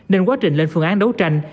nên quá trình lên phương án đấu tranh